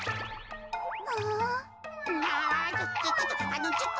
あちょっと。